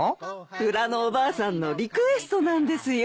裏のおばあさんのリクエストなんですよ。